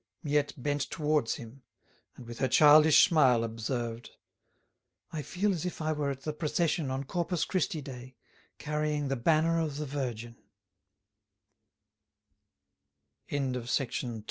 Miette bent towards him, and with her childish smile observed: "I feel as if I were at the procession on Corpus Christi Day carrying the banner of the Virgin."